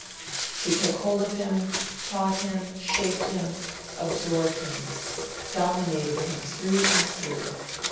She took hold of him, taught him, shaped him, absorbed him, dominated him through and through.